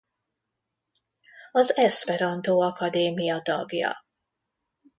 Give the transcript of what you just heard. Az Eszperantó Akadémia tagja.